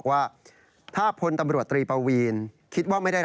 ว่ามีภัยคุกคามอะไร